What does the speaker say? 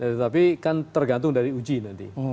tetapi kan tergantung dari uji nanti